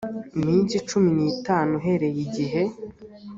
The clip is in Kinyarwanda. iminsi cumi n itanu uhereye igihe